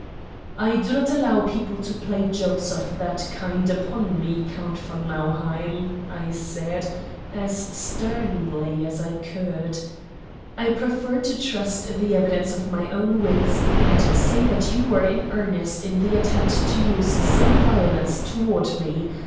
"I do not allow people to play jokes of that kind upon me, Count von Nauheim," I said, as sternly as I could. "I prefer to trust the evidence of my own wits and say that you were in earnest in the attempt to use some violence toward me.